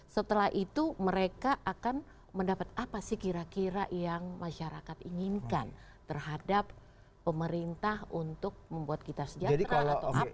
setelah itu mereka akan mendapat apa sih kira kira yang masyarakat inginkan terhadap pemerintah untuk membuat kita sejahtera atau apa